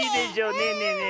ねえねえねえ。